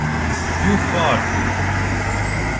Più Forti.